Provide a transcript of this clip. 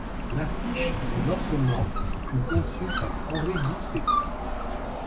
L'affiche de lancement fut conçue par Henri Goussé.